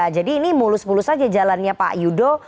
jadi ini mulus mulus saja jalannya pak yudo